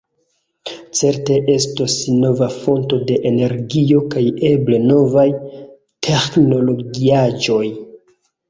Certe estos nova fonto de energio kaj eble novaj teĥnologiaĵoj.